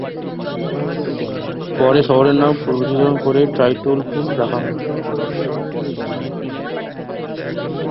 পরে শহরের নাম পরিবর্তন করে ট্রুটভিল রাখা হয়।